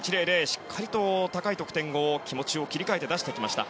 しっかりと高い得点を気持ちを切り替えて出してきました。